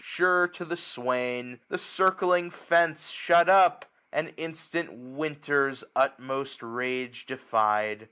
Sure to the swain; the circling fence shut up j And instant Winter's utmost rage defy*d.